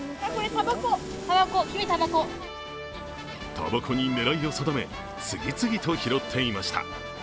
たばこに狙いを定め次々と拾っていました。